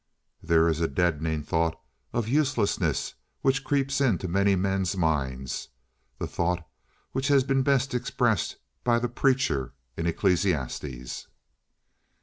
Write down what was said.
There is a deadening thought of uselessness which creeps into many men's minds—the thought which has been best expressed by the Preacher in Ecclesiastes.